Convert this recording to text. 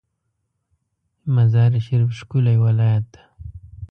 مزار شریف ښکلی ولایت ده